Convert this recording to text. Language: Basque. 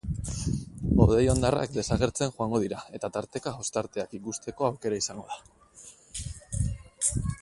Hodei hondarrak desagertzen joango dira eta tarteka ostarteak ikusteko aukera izango da.